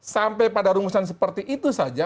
sampai pada rumusan seperti itu saja